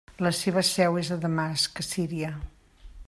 La seva seu és a Damasc, a Síria.